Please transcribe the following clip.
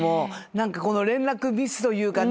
何かこの連絡ミスというかね